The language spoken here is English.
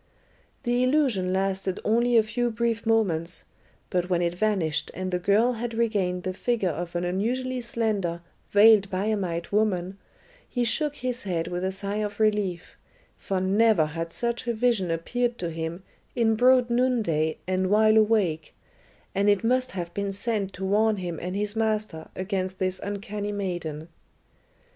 The illusion lasted only a few brief moments, but when it vanished and the girl had regained the figure of an unusually slender, veiled Biamite woman, he shook his head with a sigh of relief, for never had such a vision appeared to him in broad noonday and while awake, and it must have been sent to warn him and his master against this uncanny maiden.